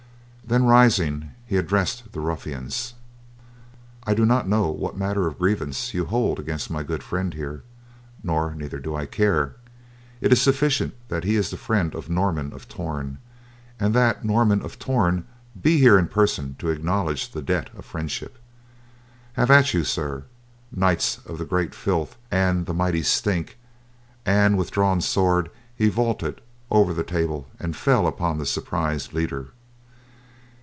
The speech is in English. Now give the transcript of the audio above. Then rising he addressed the ruffians. "I do not know what manner of grievance you hold against my good friend here, nor neither do I care. It is sufficient that he is the friend of Norman of Torn, and that Norman of Torn be here in person to acknowledge the debt of friendship. Have at you, sir knights of the great filth and the mighty stink!" and with drawn sword he vaulted over the table and fell upon the surprised leader.